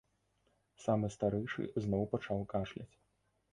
Самы старэйшы зноў пачаў кашляць.